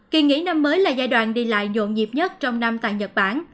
kỳ nghỉ năm mới là giai đoạn đi lại nhộn nhịp nhất trong năm tại nhật bản